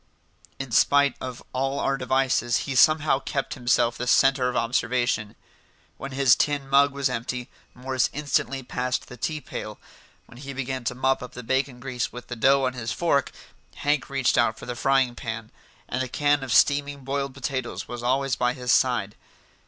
In spite of all our devices he somehow kept himself the centre of observation. When his tin mug was empty, Morris instantly passed the tea pail; when he began to mop up the bacon grease with the dough on his fork, Hank reached out for the frying pan; and the can of steaming boiled potatoes was always by his side.